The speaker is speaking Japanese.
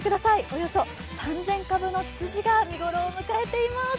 およそ３０００株のツツジが見頃を迎えています。